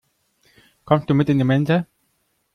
Kommst du mit in die Mensa?